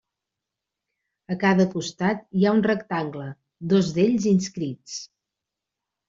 A cada costat hi ha un rectangle, dos d'ells inscrits.